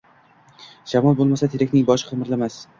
–Shamol bo’lmasa, terakning boshi qimirlamas.